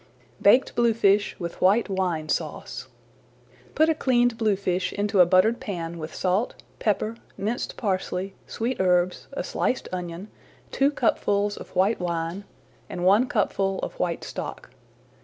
BAKED BLUEFISH WITH WHITE WINE SAUCE Put a cleaned bluefish into a buttered pan with salt, pepper, minced parsley, sweet herbs, a sliced onion, two cupfuls of white wine, and one cupful of white stock.